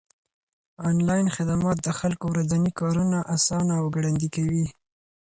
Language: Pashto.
انلاين خدمات د خلکو ورځني کارونه آسانه او ګړندي کوي.